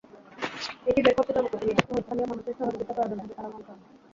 এটি বের করতে জনপ্রতিনিধিসহ স্থানীয় মানুষের সহযোগিতা প্রয়োজন হবে তাঁরা মনে করেন।